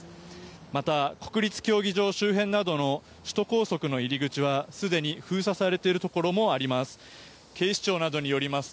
また、国立競技場周辺などの首都高速の入り口はすでに封鎖されているところもあります。